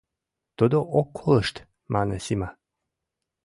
— Тудо ок колышт, — мане Сима.